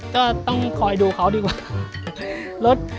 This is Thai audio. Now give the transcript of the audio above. ก็ต้องคอยดูเขาดีกว่า